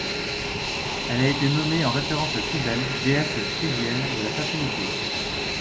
Elle a été nommée en référence à Cybele, déesse phrygienne de la fertilité.